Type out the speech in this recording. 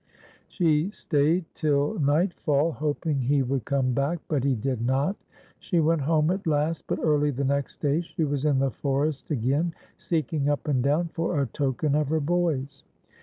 She stayed till nightfall, hoping he would come back, but he did not. She went home at last, but early the next day she was in the forest again, seeking up and down for a token of her boys.